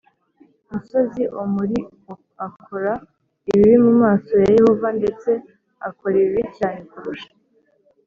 Musozi omuri akora ibibi mu maso ya yehova ndetse akora ibibi cyane kurusha